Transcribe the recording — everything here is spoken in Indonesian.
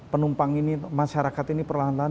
penumpang ini masyarakat ini perlahan lahan